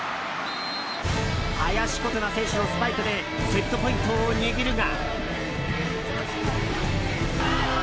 林琴奈選手のスパイクでセットポイントを握るが。